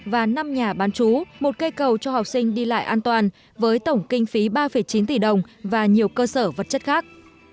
và năm nhà bán chú một cây cầu cho học sinh đi lại an toàn với tổng kinh phí ba chín tỷ đồng và nhiều cơ sở vật chất khác